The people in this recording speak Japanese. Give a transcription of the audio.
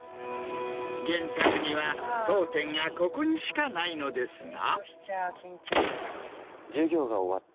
原作には読点がここにしかないのですが。